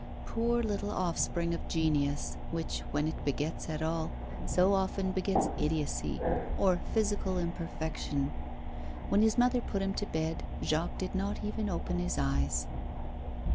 Poor little offspring of genius, which, when it begets at all, so often begets idiocy or physical imperfection! When his mother put him to bed Jacques did not even open his eyes.